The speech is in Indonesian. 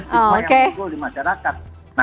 stigma yang muncul di masyarakat